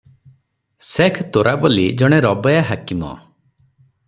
ସେଖ ତୋରାବଲ୍ଲି ଜଣେ ରବେୟା ହାକିମ ।